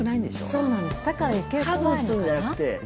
そうなんです。